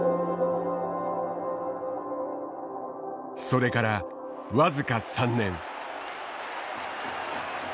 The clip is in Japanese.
それから僅か３年。